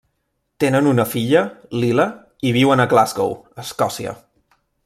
Tenen una filla, Lila, i viuen a Glasgow, Escòcia.